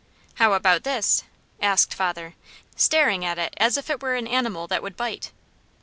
"How about this?" asked father, staring at it as if it were an animal that would bite.